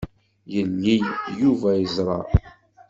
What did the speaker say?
Yili, Yuba yeẓṛa.